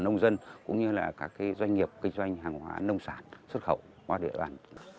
nông dân cũng như là các doanh nghiệp kinh doanh hàng hóa nông sản xuất khẩu qua địa bàn